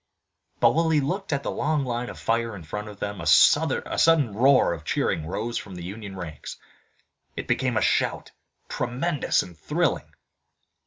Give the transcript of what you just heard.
But while he looked at the long line of fire in front of them a sudden roar of cheering rose from the Union ranks. It became a shout, tremendous and thrilling.